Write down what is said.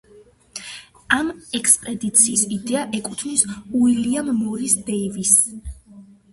ამ ექსპედიციის იდეა ეკუთვნის უილიამ მორის დეივისს.